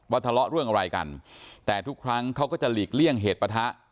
ทะเลาะเรื่องอะไรกันแต่ทุกครั้งเขาก็จะหลีกเลี่ยงเหตุปะทะ